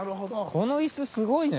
この椅子すごいね。